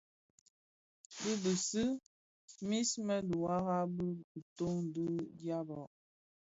Bë bëgsi mis bi biwara bi titōň ti dyaba.